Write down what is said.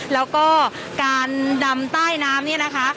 แล้วก็การดำใต้น้ำเนี่ยนะคะ